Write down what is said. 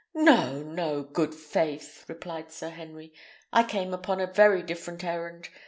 "No, no, good faith!" replied Sir Henry; "I came upon a very different errand.